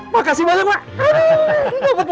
makasih banyak pak